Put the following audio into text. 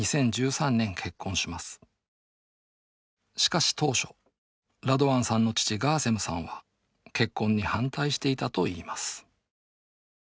しかし当初ラドワンさんの父ガーセムさんは結婚に反対していたといいます